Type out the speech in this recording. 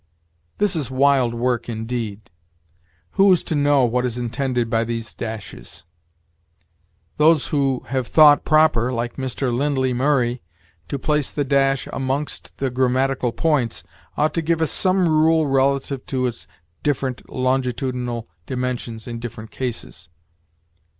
This is wild work indeed! Who is to know what is intended by these dashes? Those who have thought proper, like Mr. Lindley Murray, to place the dash amongst the grammatical points, ought to give us some rule relative to its different longitudinal dimensions in different cases.